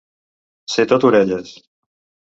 Ser tot orelles.